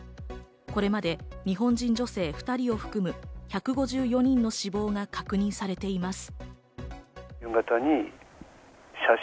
これまで日本人女性２人を含む１５４人の死亡が確認されています。